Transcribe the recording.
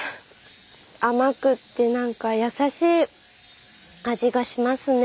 甘くって何かやさしい味がしますね。